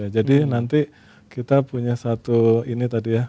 jadi nanti kita punya satu ini tadi ya